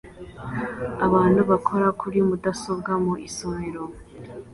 Abantu bakora kuri mudasobwa mu isomero